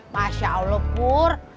masya allah pur